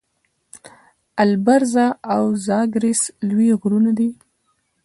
البرز او زاگرس لوی غرونه دي.